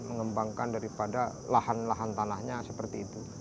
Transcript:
mengembangkan daripada lahan lahan tanahnya seperti itu